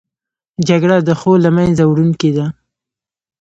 جګړه د ښو له منځه وړونکې ده